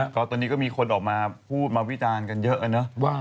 ก็ตอนนี้ก็มีคนออกมาพูดมาวิจารณ์กันเยอะนะ